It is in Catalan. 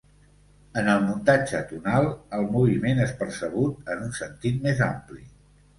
En el muntatge tonal, el moviment és percebut en un sentit més ampli.